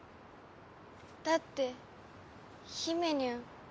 だってひめにゃん。